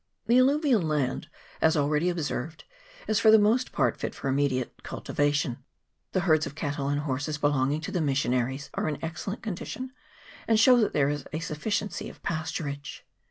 The alluvial land, as already observed, is for the most part fit for immediate cultivation : the herds of cattle and horses belonging to the missionaries are in excellent condition, and show that there is a suffi ciency of pasturage.